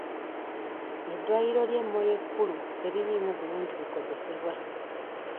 Eddwaliro ly'e Moyo ekkulu teririimu bulungi bikozesebwa.